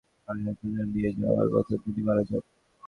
সেখান থেকে Rajshahi medical college হাসপাতালে নিয়ে যাওয়ার পথে তিনি মারা যান।